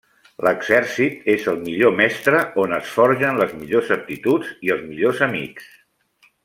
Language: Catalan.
L'exèrcit és el millor mestre on es forgen les millors aptituds i els millors amics.